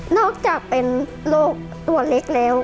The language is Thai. อกจากเป็นโรคตัวเล็กแล้ว